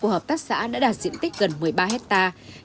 hợp tác xã đã đạt diện tích gần một mươi ba hectare